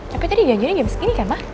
tapi tadi janjiannya jam segini kan ma